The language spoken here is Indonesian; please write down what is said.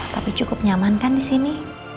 tapi cukup nyaman kan disini